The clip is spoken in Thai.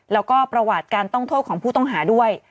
แล้วก็ประวัติการต้องโทษของผู้ต้องหาด้วย